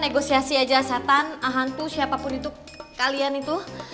gak ada satan ahantu siapapun itu kalian itu